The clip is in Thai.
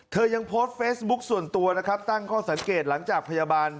ยังโพสต์เฟซบุ๊คส่วนตัวนะครับตั้งข้อสังเกตหลังจากพยาบาล